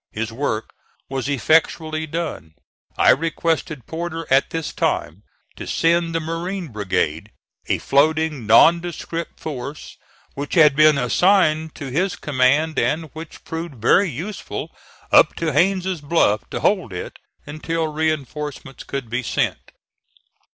His work was effectually done. I requested Porter at this time to send the marine brigade, a floating nondescript force which had been assigned to his command and which proved very useful, up to Haines' Bluff to hold it until reinforcements could be sent.